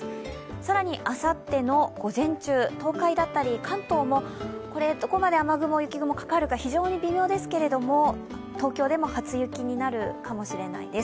更に、あさっての午前中東海だったり関東もどこまで雨雲、雪雲かかるか微妙ですけれども東京でも初雪になるかもしれないです。